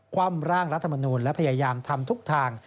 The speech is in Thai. ว่ำร่างรัฐมนูลและพยายามทำทุกทาง